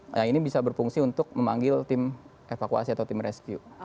nah ini bisa berfungsi untuk memanggil tim evakuasi atau tim rescue